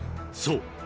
そう！